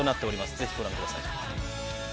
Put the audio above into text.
ぜひご覧ください。